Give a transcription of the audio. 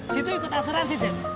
situ ikut asuransi den